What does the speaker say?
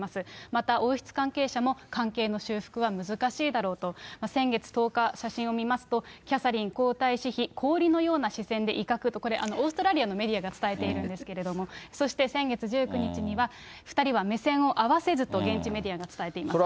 また王室関係者も、関係の修復は難しいだろうと、先月１０日、写真を見ますと、キャサリン皇太子妃、氷のような視線で威嚇と、これ、オーストラリアのメディアが伝えているんですけれども、そして先月１９日には、２人は目線を合わせずと、現地メディアが伝えています。